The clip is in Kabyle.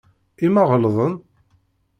I ma ɣelḍen?